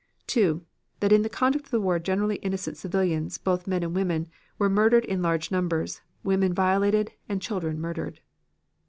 2. That in the conduct of the war generally innocent civilians, both men and women, were murdered in large numbers, women violated, and children murdered.